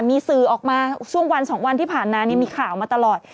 มีสื่อออกมาช่วงวัน๒วันที่ผ่านมานี่มีข่าวมาตลอด